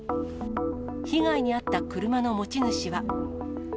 被害に遭った車の持ち主は。